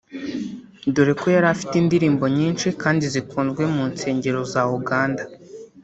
dore ko yari afite indirimbo nyinshi kandi zikunzwe mu nsengero za Uganda